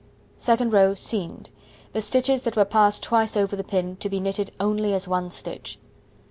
Second row: Seamed. The stitches that were passed twice over the pin to be knitted only as 1 stitch.